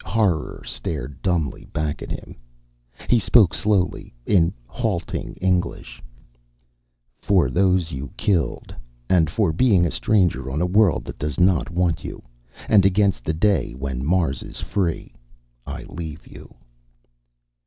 Horror stared dumbly back at him. He spoke slowly, in halting English: "For those you killed, and for being a stranger on a world that does not want you, and against the day when Mars is free, I leave you."